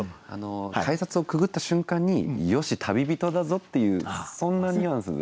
改札をくぐった瞬間に「よし旅人だぞ」っていうそんなニュアンスの。